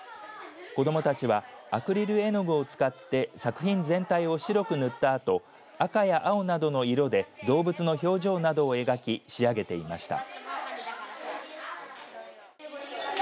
子どもたちはアクリル絵の具を使って作品全体を白く塗ったあと赤や青などの色で動物の表情などを描き仕上げていました。